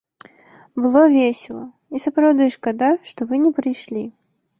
Было весела, і сапраўды шкада, што вы не прыйшлі!